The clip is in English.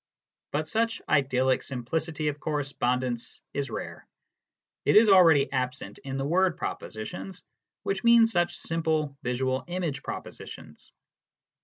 But such idyllic simplicity of correspondence is rare. It is already absent in the word propositions which mean such simple visual image propositions.